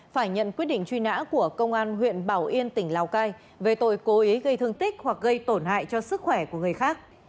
phải nhận quyết định truy nã của công an huyện bảo yên tỉnh lào cai về tội cố ý gây thương tích hoặc gây tổn hại cho sức khỏe của người khác